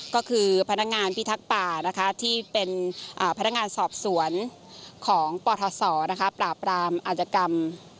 ก็คือพนักงานพิทักษ์ป่านะคะที่เป็นพนักงานสอบสวนของปทศปราบรามอาจกรรม